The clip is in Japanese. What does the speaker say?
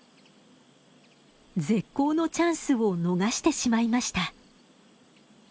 絶好のチャンスを逃してしまいました。